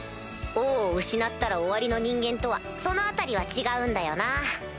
王を失ったら終わりの人間とはその辺りは違うんだよな。